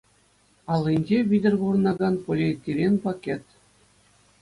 Аллинче витӗр курӑнакан полиэтилен пакет.